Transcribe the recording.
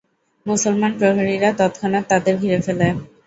মুসলমান প্রহরীরা তৎক্ষণাৎ তাদের ঘিরে ফেলে।